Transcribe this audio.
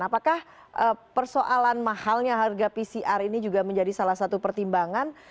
apakah persoalan mahalnya harga pcr ini juga menjadi salah satu pertimbangan